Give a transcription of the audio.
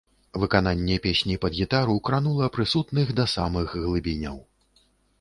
Выкананне песні пад гітару кранула прысутных да самых глыбіняў.